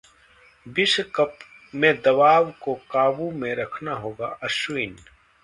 विश्व कप में दबाव को काबू में रखना होगा: अश्विन